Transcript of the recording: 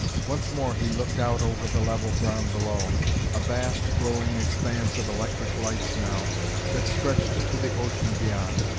Once more he looked out over the level ground below, a vast glowing expanse of electric lights now, that stretched to the ocean beyond.